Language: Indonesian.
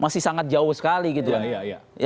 sangat jauh sekali